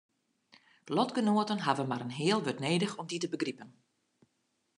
Lotgenoaten hawwe mar in heal wurd nedich om dy te begripen.